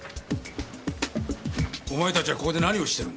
お前たちはここで何をしてるんだ？